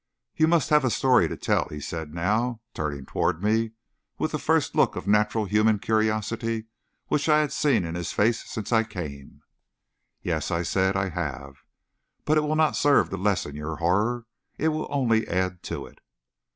"You must have a story to tell," he now said, turning toward me, with the first look of natural human curiosity which I had seen in his face since I came. "Yes," said I, "I have; but it will not serve to lessen your horror; it will only add to it."